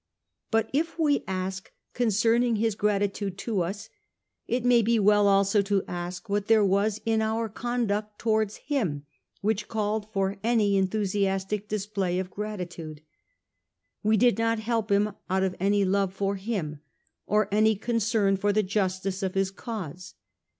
But it we ask concerning his gratitude to us, it may be well also to ask what there was in our conduct towards him which called for any enthusiastic display of gra titude. We did not help him out of any love for him, or any concern for the justice of his cause.